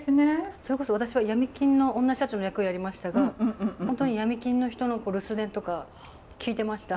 それこそ私は闇金の女社長の役をやりましたが本当に闇金の人の留守電とか聞いてました。